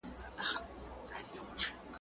هم خالق یې هم سلطان یې د وگړو `